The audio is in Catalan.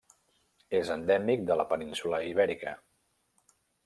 És endèmic de la península Ibèrica.